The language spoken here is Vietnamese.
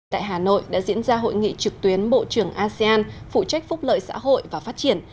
tại hà nội đã diễn ra hội nghị trực tuyến bộ trưởng asean phụ trách phúc lợi xã hội và phát triển